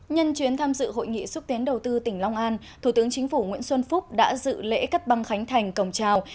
nhân chuyến tham dự hội nghị xúc tiến đầu tư tỉnh long an thủ tướng chính phủ nguyễn xuân phúc đã dự lễ cắt băng khánh thành cổng trào